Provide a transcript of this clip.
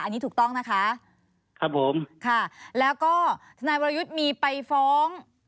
อันนี้ถูกต้องนะคะครับผมค่ะแล้วก็ทนายวรยุทธ์มีไปฟ้อง